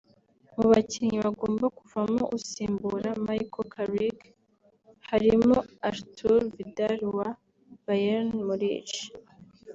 Mu bakinnyi bagomba kuvamo usimbura Micheal Carrick harimo Arturo Vidal wa Bayern Munich